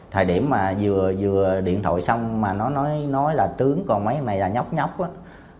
thời điểm vừa điện thoại xong nó nói là trướng còn mấy anh này là nhóc nhóc